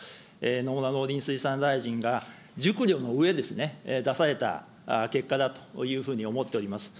野村農林水産大臣が熟慮のうえですね、出された結果だというふうに思っております。